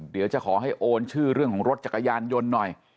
เดี๋ยวจะขอให้โอนชื่อเรื่องของรถจักรยานยนต์หน่อย